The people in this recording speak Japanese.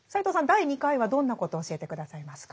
第２回はどんなことを教えて下さいますか？